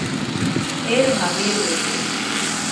އޭރު ހަވީރުވެއްޖެ